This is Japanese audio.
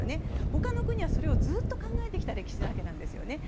他の国はそれをずっと考えてきた歴史なんですよね。